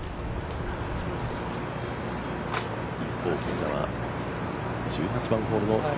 一方こちらは１８番ホール。